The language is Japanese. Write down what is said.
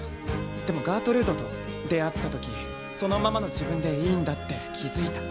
でもガートルードと出会った時そのままの自分でいいんだって気付いた。